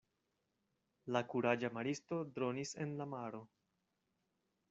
La kuraĝa maristo dronis en la maro.